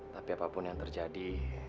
tapi apapun yang terjadi